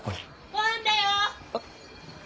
・ごはんだよ！